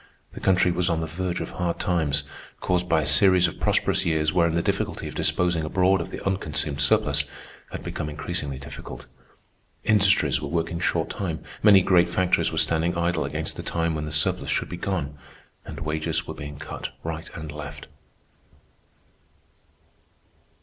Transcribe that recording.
The country was on the verge of hard times, caused by a series of prosperous years wherein the difficulty of disposing abroad of the unconsumed surplus had become increasingly difficult. Industries were working short time; many great factories were standing idle against the time when the surplus should be gone; and wages were being cut right and left.